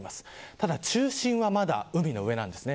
ただ中心はまだ海の上なんです。